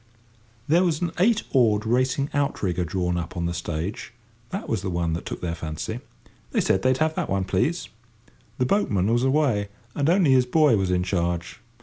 There was an eight oared racing outrigger drawn up on the stage; that was the one that took their fancy. They said they'd have that one, please. The boatman was away, and only his boy was in charge.